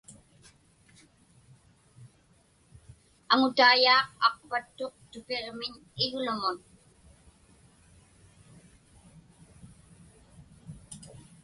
Aŋutaiyaaq aqpattuq tupiġmiñ iglumun.